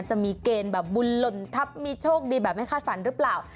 จะมีเกณฑ์แบบบุญหล่นทัพมีโชคดีแบบไม่คาดฝันหรือเปล่า